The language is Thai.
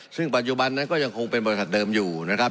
ซึ่งปัจจุบันนั้นก็ยังคงเป็นบริษัทเดิมอยู่นะครับ